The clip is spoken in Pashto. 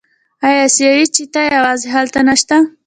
آیا اسیایي چیتا یوازې هلته نشته؟